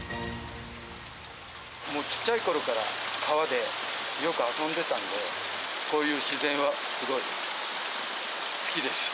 ちっちゃいころから川でよく遊んでたんで、こういう自然はすごい好きです。